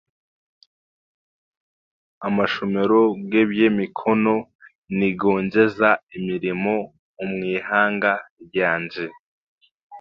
Amashomero g'eby'emikono nigongyeza emirimo omu ihanga ryangye